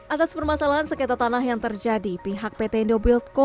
atas permasalahan sekitar tanah yang terjadi pihak pt indobuild co